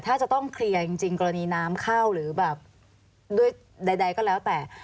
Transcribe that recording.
ถ้าจะต้องเคลียร์จริงกรณีน้ำเข้าหรือแบบด้วยใดก็แล้วแต่